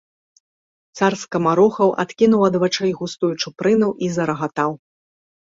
Цар скамарохаў адкінуў ад вачэй густую чупрыну і зарагатаў.